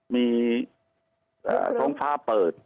มีร้องพาเปิด